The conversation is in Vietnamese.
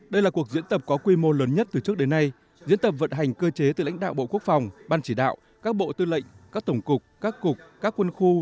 đây là cuộc diễn tập có quy mô lớn nhất từ trước đến nay diễn tập vận hành cơ chế từ lãnh đạo bộ quốc phòng ban chỉ đạo các bộ tư lệnh các tổng cục các cục các quân khu